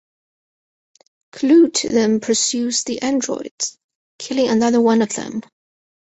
Clute then pursues the androids, killing another one of them.